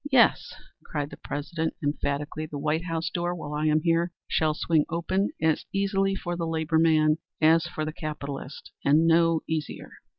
"'Yes,' cried the President emphatically. 'The White House door, while I am here, shall swing open as easily for the labor man as for the capitalist and no easier.'"